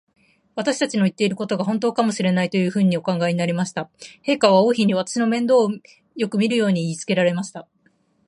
私たちの言ってることが、ほんとかもしれない、というふうにお考えになりました。陛下は王妃に、私の面倒をよくみるように言いつけられました。